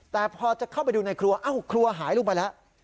แต่พอจะเข้าไปดูในครัวอ้าวครัวหายลงไปแล้ว